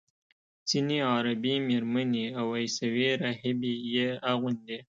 ځینې عربي میرمنې او عیسوي راهبې یې اغوندي.